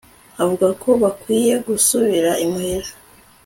avuga ko bakwiye gusubira imuhira